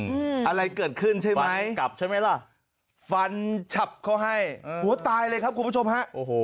อะไรเกิดขึ้นใช่ไหมกลับใช่ไหมล่ะฟันฉับเขาให้หัวตายเลยครับคุณผู้ชมฮะโอ้โห